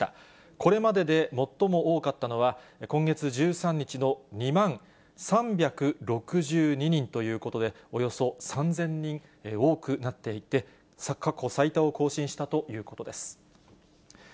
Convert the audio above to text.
これまでで最も多かったのは、今月１３日の２万３６２人ということで、およそ３０００人多くなっていて、過去最多を更新したということです。